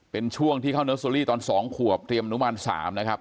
เป็นช่วงที่เข้าเนอร์เซอรี่ตอน๒ขวบเตรียมอนุมาน๓นะครับ